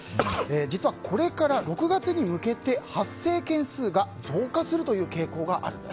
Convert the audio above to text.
実は、これから６月に向けて発生件数が増加するという傾向があるんです。